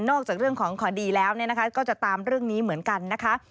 จากเรื่องของคดีแล้วก็จะตามเรื่องนี้เหมือนกันนะคะ